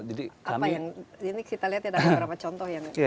jadi ini kita lihat ada beberapa contoh